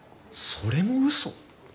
それも嘘？